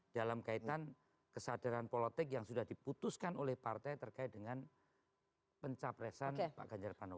dalam kaitan kesadaran politik yang sudah diputuskan oleh partai terkait dengan pencapresan pak ganjar pranowo